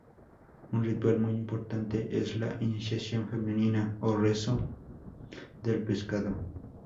Un ritual muy importante es la iniciación femenina o "rezo del pescado".